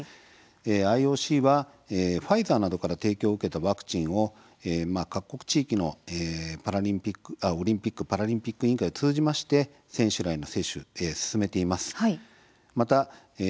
ＩＯＣはファイザーなどから提供を受けたワクチンを各国地域のオリンピック・パラリンピック委員会を通じまして選手らへの接種を進めています。